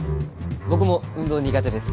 僕も運動苦手です。